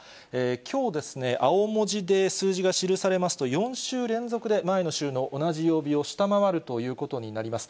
きょうですね、青文字で数字が記されますと、４週連続で前の週の同じ曜日を下回るということになります。